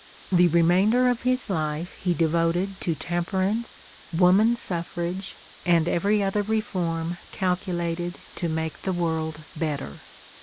The remainder of his life he devoted to temperance, woman suffrage, and every other reform calculated to make the world better.